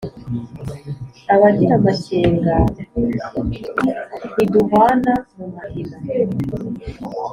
Abagira amakenga ntiduhwana mu mahina,